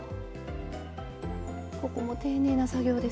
ここも丁寧な作業ですね。